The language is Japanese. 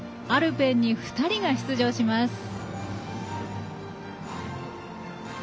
アルペンに２人が出場します。